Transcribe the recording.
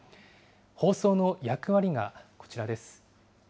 放送の役割がこちらです。